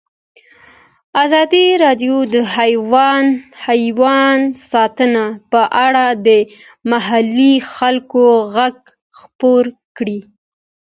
ازادي راډیو د حیوان ساتنه په اړه د محلي خلکو غږ خپور کړی.